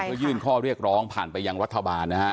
เพื่อยื่นข้อเรียกร้องผ่านไปยังรัฐบาลนะฮะ